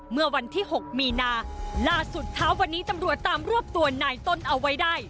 มีนาล่าสุดท้าวันนี้ตำรวจตามรวบตัวนายต้นเอาไว้ได้